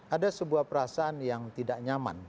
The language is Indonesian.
ada sebuah perasaan yang tidak nyaman